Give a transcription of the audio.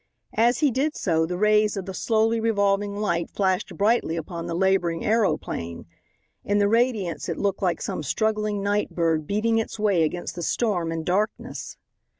As he did so the rays of the slowly revolving light flashed brightly upon the laboring aeroplane. In the radiance it looked like some struggling night bird beating its way against the storm and darkness.